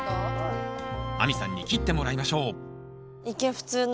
亜美さんに切ってもらいましょう一見普通の。